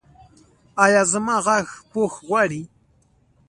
ایا زما غاښ پوښ غواړي؟